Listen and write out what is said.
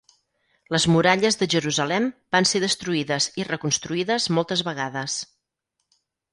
Les muralles de Jerusalem van ser destruïdes i reconstruïdes moltes vegades.